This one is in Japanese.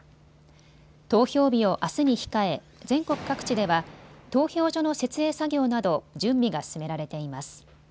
投票日をあすに控え全国各地では投票所の設営作業など準備が進められています。